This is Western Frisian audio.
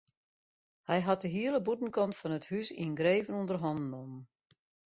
Hy hat de hiele bûtenkant fan it hús yngreven ûnder hannen nommen.